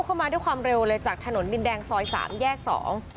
เข้ามาด้วยความเร็วเลยจากถนนดินแดงซอยสามแยกสอง